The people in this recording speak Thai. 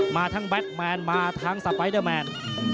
มาทั้งแบทแมนมาทั้งสไปเดอร์แมน